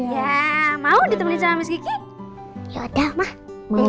ya mau ditemani sama miss gigi